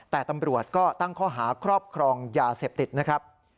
แต่ตำรวจก็ตั้งข้อหาครอบครองยาเสพติดนะครับ